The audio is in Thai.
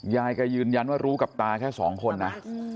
ยายแกยืนยันว่ารู้กับตาแค่สองคนนะ